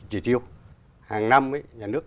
chỉ tiêu hàng năm ấy nhà nước